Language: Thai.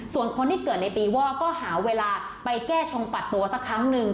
ส่วนคนที่เกิดในปีวอกก็หาเวลาไปแก้ชงปัดตัวสักครั้งหนึ่ง